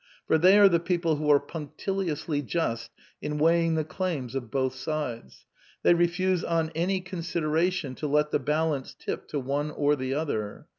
For they are the people who are punctiliously just in weighing the claims of both sides ; they refuse on any con sideration to let the balance tip to one or the other.